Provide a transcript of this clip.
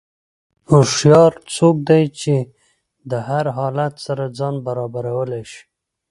هوښیار څوک دی چې د هر حالت سره ځان برابرولی شي.